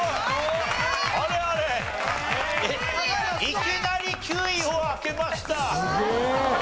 いきなり９位を開けました。